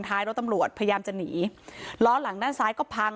ท้ายรถตำรวจพยายามจะหนีล้อหลังด้านซ้ายก็พัง